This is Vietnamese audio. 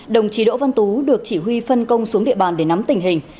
đồng chí đỗ văn tú được chỉ huy phân công xuống địa bàn để nắm tình hình